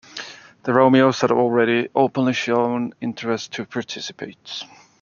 De Romeo's had already openly shown interest to participate.